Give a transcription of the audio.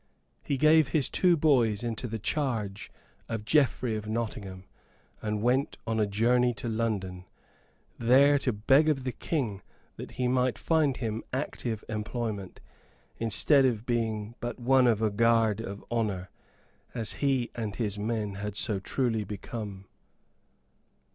He gave his two boys into the charge of Geoffrey of Nottingham, and went on a journey to London, there to beg of the King that he might find him active employment, instead of being but one of a guard of honor, as he and his men had so truly become.